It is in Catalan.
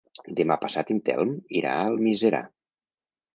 Demà passat en Telm irà a Almiserà.